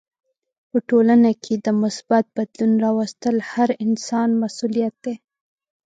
په ټولنه کې د مثبت بدلون راوستل هر انسان مسولیت دی.